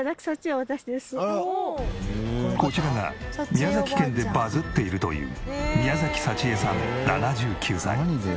こちらが宮崎県でバズっているという宮崎サチエさん７９歳。